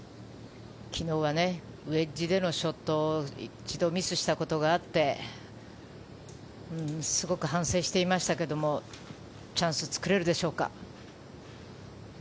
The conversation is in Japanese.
昨日はウェッジでのショットを一度ミスしたことがあってすごく反省していましたけどチャンスを作れるでしょうか。